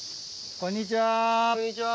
こんにちは。